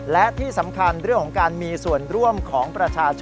และที่สำคัญเรื่องของการมีส่วนร่วมของประชาชน